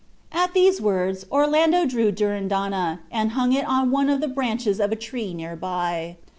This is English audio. At these words Orlando drew Durindana, and hung it on one of the branches of a tree near by.